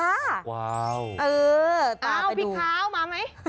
เอ้ามพี่ค้าวมามั้ย